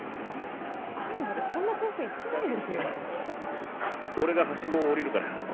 アンドレそんな遠く行ってないですよ。